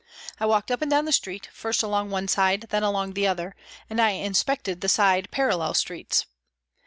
I walked up and down the street, first along one side, then along the other, and I inspected the side parallel streets.